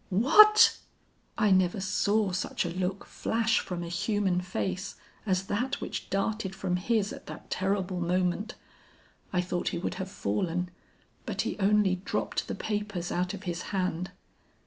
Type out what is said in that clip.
"'What!' "I never saw such a look flash from a human face as that which darted from his at that terrible moment. I thought he would have fallen, but he only dropped the papers out of his hand.